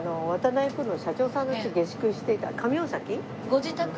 ご自宅に？